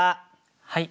はい。